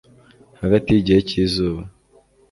Hagati yigihe cyizuba